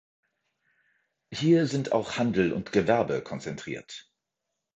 Hier sind auch Handel und Gewerbe konzentriert.